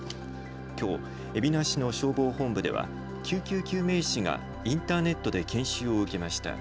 きょう海老名市の消防本部では救急救命士がインターネットで研修を受けました。